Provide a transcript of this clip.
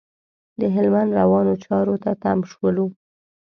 د هلمند روانو چارو ته تم شولو.